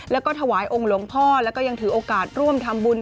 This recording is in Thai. แล้วก็ถวายองค์หลวงพ่อแล้วก็ยังถือโอกาสร่วมทำบุญ